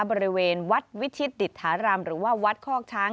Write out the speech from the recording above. บริเวณวัดวิชิตดิษฐารามหรือว่าวัดคอกช้าง